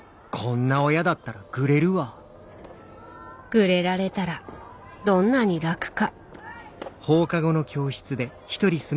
グレられたらどんなに楽か。